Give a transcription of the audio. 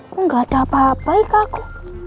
kok gak ada apa apa ika aku